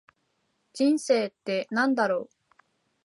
人生って何だろう。